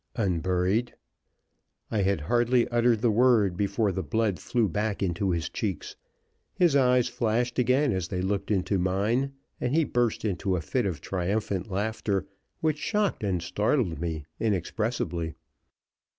"Unburied." I had hardly uttered the word before the blood flew back into his cheeks; his eyes flashed again as they looked into mine, and he burst into a fit of triumphant laughter, which shocked and startled me inexpressibly.